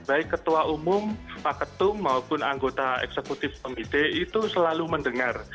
baik ketua umum pak ketum maupun anggota eksekutif komite itu selalu mendengar